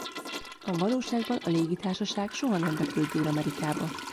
A valóságban a légitársaság soha nem repült Dél-Amerikába.